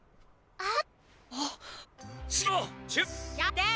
あっ？